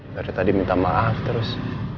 baru tadi minta maaf terus